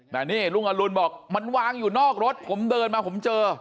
แต่นี่ลุงอรุณบอกมันวางอยู่นอกรถผมเดินมาผมเจอ